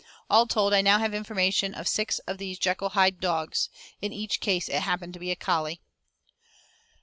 All told, I now have information of six of these Jekyll Hyde dogs. In each case it happened to be a collie.